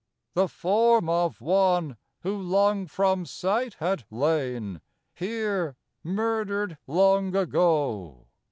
The form of one, who long from sight Had lain, here murdered long ago?...